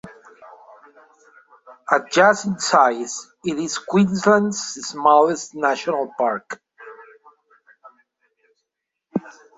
At just in size, it is Queensland's smallest national park.